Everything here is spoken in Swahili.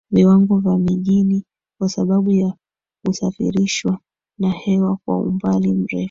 viwango vya mijini kwa sababu ya husafirishwa na hewa kwa umbali mrefu